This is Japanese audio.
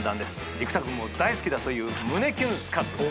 生田君も大好きだという胸キュンスカッとです。